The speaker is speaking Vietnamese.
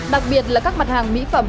đặc biệt là các mặt hàng mỹ phẩm